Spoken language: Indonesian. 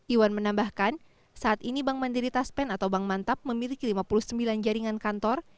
iwan menambahkan saat ini bank mandiri taspen atau bank mantap memiliki lima puluh sembilan jaringan kantor